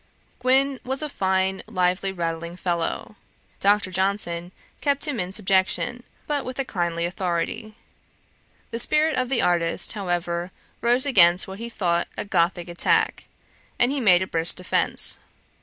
Gwyn was a fine lively rattling fellow. Dr. Johnson kept him in subjection, but with a kindly authority. The spirit of the artist, however, rose against what he thought a Gothick attack, and he made a brisk defence.